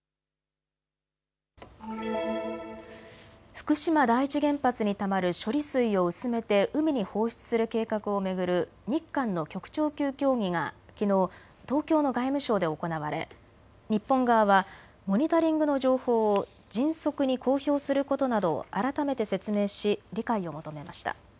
福島第一原発にたまる処理水を薄めて海に放出する計画を巡る日韓の局長級協議がきのう東京の外務省で行われ日本側はモニタリングの情報を迅速に公表することなどを改めて説明し理解を求めました。